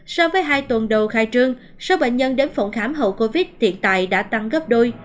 so với hai tuần đầu khai trương số bệnh nhân đến phòng khám hậu covid hiện tại đã tăng gấp đôi